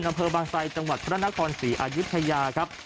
อำเภอบางไซจังหวัดพระนครศรีอายุทยาครับ